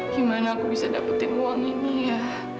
gimana aku bisa dapetin uang ini ya